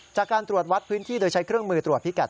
จากการตรวจวัดพื้นที่โดยใช้เครื่องมือตรวจพิกัด